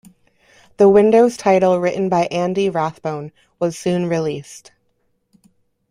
The Windows title written by Andy Rathbone was soon released.